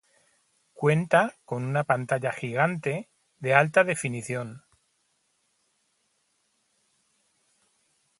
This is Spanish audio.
Cuenta con una pantalla gigante de alta definición.